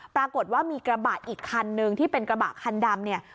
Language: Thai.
ปรากฏว่ามีกระบะอีกคันนึงที่เป็นกระบะคันดำเนี่ย